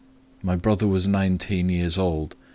My brother was nineteen years old.